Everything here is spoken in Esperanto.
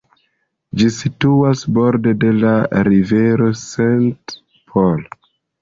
Ĝi situas borde de la rivero St. Paul.